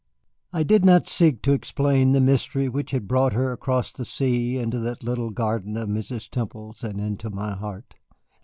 I did not seek to explain the mystery which had brought her across the sea into that little garden of Mrs. Temple's and into my heart.